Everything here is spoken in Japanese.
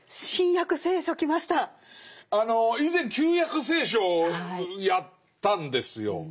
あの以前「旧約聖書」やったんですよ。